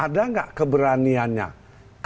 jadi saya katakan terobosan lain masih banyak